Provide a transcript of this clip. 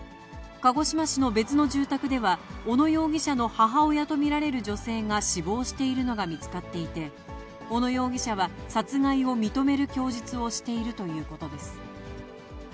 鹿児島市の別の住宅では、小野容疑者の母親と見られる女性が死亡しているのが見つかっていて、小野容疑者は殺害を認める供述をしているということです。